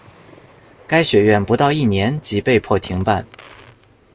该学院不到一年即被迫停办。